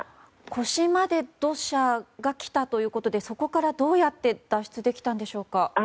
腰まで土砂がきたということでそこからどうやって脱出できたんでしょうか。